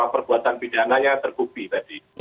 perbuatan pidananya terbukti